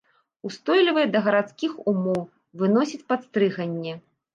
Устойлівая да гарадскіх умоў, выносіць падстрыганне.